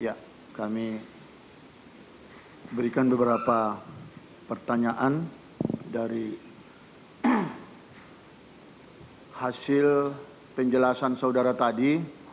ya kami berikan beberapa pertanyaan dari hasil penjelasan saudara tadi